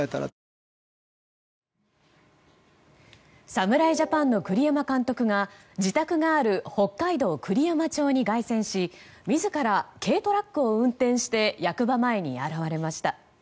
侍ジャパンの栗山監督が自宅がある北海道栗山町に凱旋し自ら軽トラックを運転して役場前に現れました。